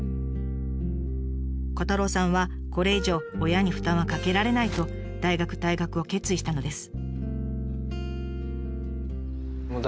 虎太郎さんはこれ以上親に負担はかけられないと大学退学を決意したのです。